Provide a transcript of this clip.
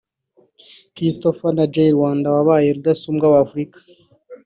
Christopher na Jay Rwanda wabaye Rudasumbwa wa Afurika